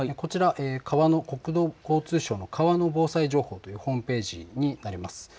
国土交通省の川の防災情報というホームページになります。